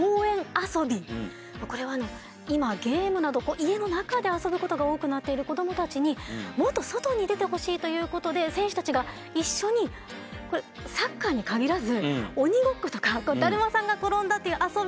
これは今ゲームなど家の中で遊ぶことが多くなっている子供たちにもっと外に出てほしいということで選手たちが一緒にサッカーに限らず鬼ごっことかだるまさんが転んだという遊びで一緒に子供と遊んでくれるっていう活動。